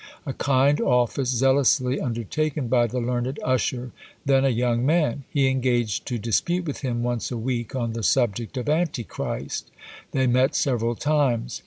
A kind office, zealously undertaken by the learned Usher, then a young man. He engaged to dispute with him once a week on the subject of antichrist! They met several times.